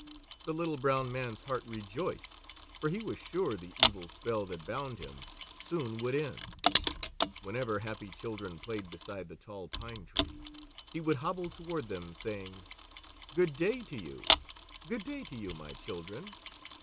The Little Brown Man's heart rejoiced, for he was sure the evil spell that bound him soon would end. Whenever happy children played beside the Tall Pine Tree, he would hobble toward them, saying: "Good day to you! Good day to you, my children!"